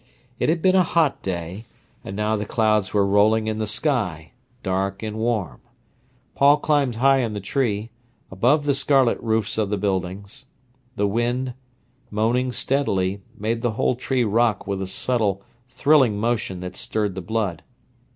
It had been a hot day, and now the clouds were rolling in the sky, dark and warm. Paul climbed high in the tree, above the scarlet roofs of the buildings. The wind, moaning steadily, made the whole tree rock with a subtle, thrilling motion that stirred the blood.